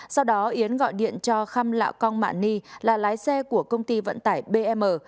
sau đó yến gọi điện cho kham lạ cong mạ ni là lái xe của công ty vận tải bm